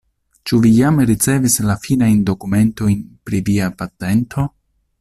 Ĉu vi jam ricevis la finajn dokumentojn pri via patento?